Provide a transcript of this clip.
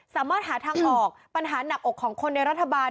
สามารถหาทางออกปัญหาหนักอกของคนในรัฐบาล